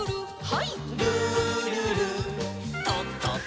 はい。